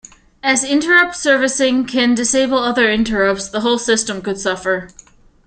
As interrupt servicing can disable other interrupts, the whole system could suffer.